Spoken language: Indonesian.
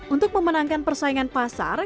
untuk memenangkan persaingan pasar